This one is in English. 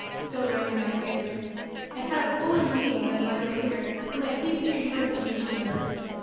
still rang in my ears. It had a fuller meaning than might appear, from a hasty interpretation of it.